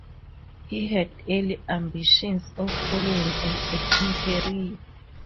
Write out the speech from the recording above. He had early ambitions of following an acting career.